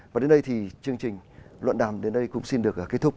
và đến đây thì chương trình luận đàm đến đây cũng xin được kết thúc